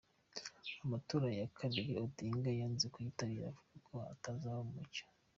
Amatora ya kabiri Odinga yanze kuyitabira avuga ko atazaba mu mucyo.